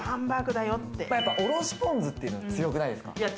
おろしぽん酢っていうの強くないですか？